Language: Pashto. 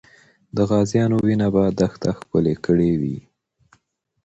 د غازیانو وینه به دښته ښکلې کړې وي.